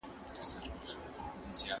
که زده کوونکی تمرین وکړي، وړتیا نه کمېږي.